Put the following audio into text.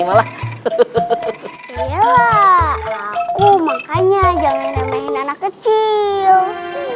ya aku makanya jangan nampak anak kecil